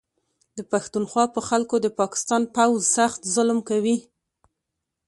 د پښتونخوا په خلکو د پاکستان پوځ سخت ظلم کوي